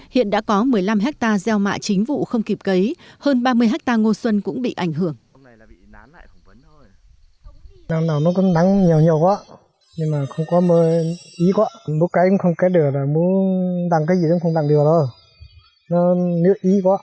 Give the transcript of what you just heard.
hiện đã có một mươi năm hectare gieo mạ chính vụ không kịp cấy hơn ba mươi hectare ngô xuân cũng bị ảnh hưởng